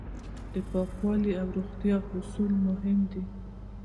د پاکوالي او روغتیا اصول مهم دي.